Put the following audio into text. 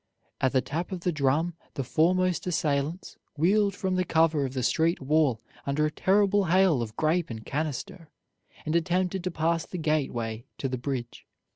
At the tap of the drum the foremost assailants wheeled from the cover of the street wall under a terrible hail of grape and canister, and attempted to pass the gateway to the bridge.